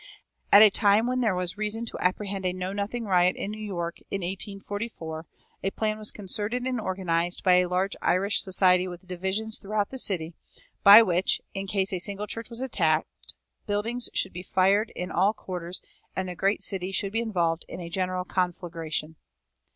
At a time when there was reason to apprehend a Know nothing riot in New York, in 1844, a plan was concerted and organized by "a large Irish society with divisions throughout the city," by which, "in case a single church was attacked, buildings should be fired in all quarters and the great city should be involved in a general conflagration."